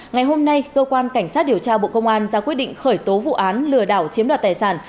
ngày hôm nay cơ quan cảnh sát điều tra bộ công an ra quyết định khởi tố vụ án lừa đảo chiếm đoạt tài sản